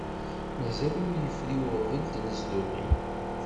Mazal ur yefri uɣbel n tnezduɣin.